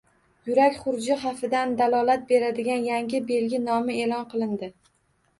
Yurak xuruji xavfidan dalolat beradigan yangi belgi nomi e’lon qilindi